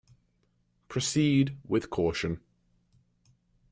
Proceed with caution.